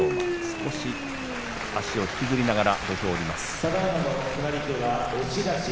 少し足を引きずりながら土俵を下ります。